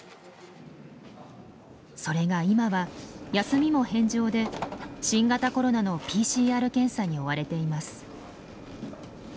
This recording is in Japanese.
それが今は休みも返上で新型コロナのＰＣＲ検査に追われています。